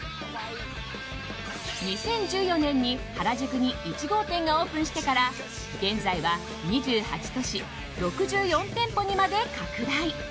２０１４年に原宿に１号店がオープンしてから現在は２８都市６４店舗にまで拡大。